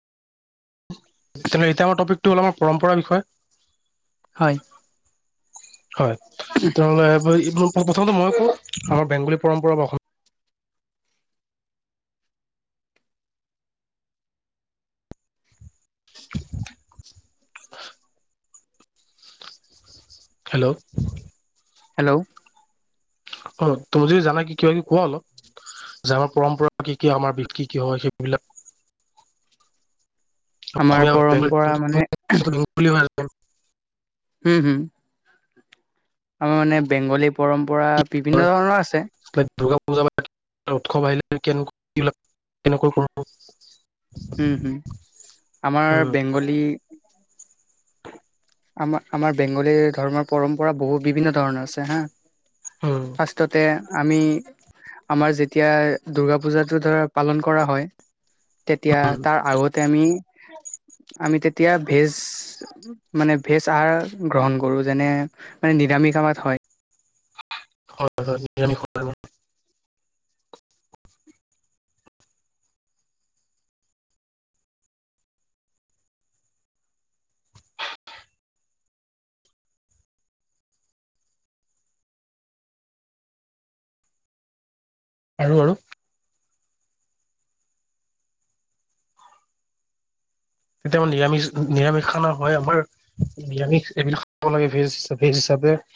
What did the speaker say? তেনে এতিয়া আমাৰ টপিকটো হ'ল আমাৰ পৰম্পৰাাৰ বিষয়ে ব [unintelligible] হয়। হয় তেনেহ'লে এই এইব প্ৰথমতে মই আমাৰ বেংগলী পৰম্পৰা বা অসমীয়া [inaudible] হেল্লো হেল্লো অ তুমি যদি জানা কি ক কোৱা অলপ, যে আমাৰ পৰম্পৰা কি কি আমাৰ বিষ কি কি হয় সেইবিলাক। আমাৰ অসমীয়া পৰম্পৰা মানে উম। উম হুম। আমাৰ মানে বেংগলী পৰম পৰা বিভিন্ন ধৰণৰ আছে। দুৰ্গা পূজা পাতল, উৎসৱ আহিলে কেনেকৈ এইবিলাক কেনেকৈ কৰো? হম হুম আমাৰ উম বেংগলী আমাৰ আমাৰ বেংগলী ধৰ্মৰ পৰম্পৰা বহুত বিভিন্ন ধৰণৰ আছে হা। উম ফাৰ্ষ্টটতে আমি আমাৰ যেতিয়া দূৰ্গা পূজাটো ধৰা পালন কৰা হয়। তেতিয়া উম তাৰ আগতে আমি আমি তেতিয়া ভেজ মানে ভেজ আহাৰ গ্ৰহণ কৰোঁ, যেনে মানে নিৰামিষ কামত হয়। হয় হয় । [unintelligible] আৰু আৰু তেতিয়া আমাৰ নিৰামিষ নিৰামিষ খানা হয় আমাৰ নিৰামিষ এইবিলাক খাব লাগে ভেজ ভেজ হিচাপে